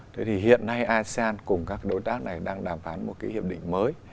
thế thì hiện nay asean cùng các đối tác này đang đàm phán một cái hiệp định mới